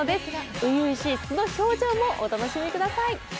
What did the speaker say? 初々しい素の表情もお楽しみください。